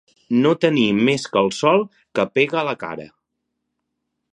No tenir més que el sol que pega a la cara.